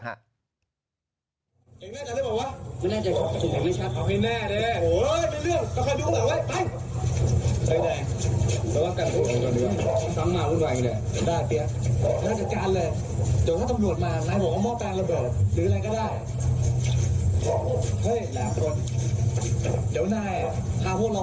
เฮ้ยแหลมคนเดี๋ยวนายพาพวกเราค้นดูให้ทั่วต่อถ้าเจอพวกมันจับมันมาให้เรา